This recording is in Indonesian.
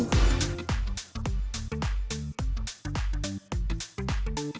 sini dulu gak